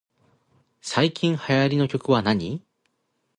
最近流行りの曲はなに